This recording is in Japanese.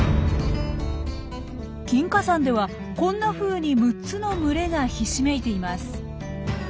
金華山ではこんなふうに６つの群れがひしめいています。